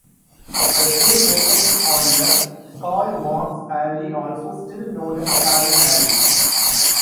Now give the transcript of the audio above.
The film focuses on the Karl-Marx-Allee, also still known as Stalin-Allee.